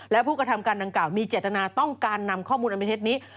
และผู้กระทำการดังกล่าวมีเจตนาต้องการนำข้อมูลอันเป็นเท็จนี้